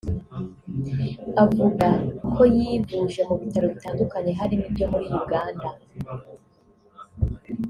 Avuga ko yivuje mu bitaro bitandukanye harimo ibyo muri Uganda